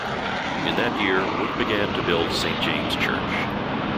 In that year, work began to build Saint James' Church.